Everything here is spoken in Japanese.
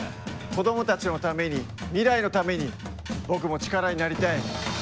子どもたちのために未来のために僕も力になりたい！